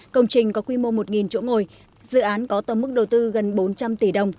công trình có quy mô một chỗ ngồi dự án có tầm mức đầu tư gần bốn trăm linh tỷ đồng